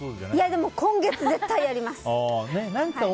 でも今月、絶対やります。